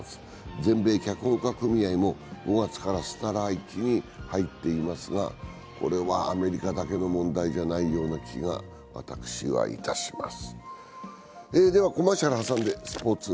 全米脚本家組合も５月からストライキに入っていますが、これはアメリカだけの問題じゃないような気が私はいたします。